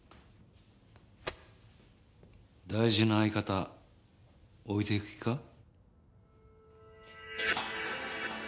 大事な相方置いていく気か？